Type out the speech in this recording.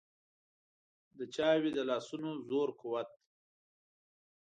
د چا وي د لاسونو زور قوت.